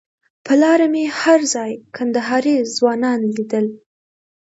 پر لاره مې هر ځای کندهاري ځوانان لیدل.